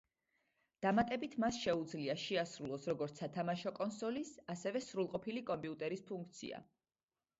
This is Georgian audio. დამატებით მას შეუძლია შეასრულოს როგორც სათამაშო კონსოლის, ასევე სრულყოფილი კომპიუტერის ფუნქცია.